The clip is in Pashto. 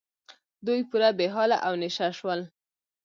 دوی پوره بې حاله او نشه شول.